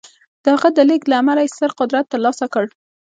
د هغه د لېږد له امله یې ستر قدرت ترلاسه کړ